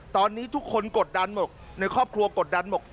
ตอนนี้ทุกคนกดดันบอกในครอบครัวกดดันบอก